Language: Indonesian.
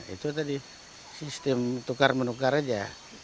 itu tadi sistem tukar menukar aja